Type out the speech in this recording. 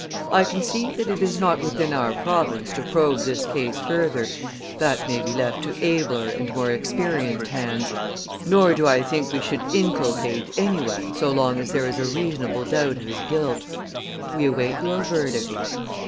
I conceive that it is not within our province to probe this case further that may be left to abler and more experienced hands; nor do I think we should inculpate anyone so long as there is a reasonable doubt of his guilt. We await your verdict."